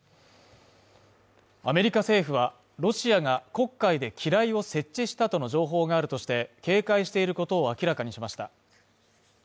アメリカ政府はロシアが黒海で機雷を設置したとの情報があるとして警戒していることを明らかにしました。